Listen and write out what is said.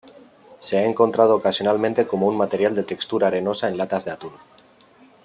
Se ha encontrado ocasionalmente como un material de textura arenosa en latas de atún.